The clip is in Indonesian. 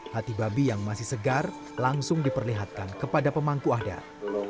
hati babi yang masih segar langsung diperlihatkan kepada pemangku adat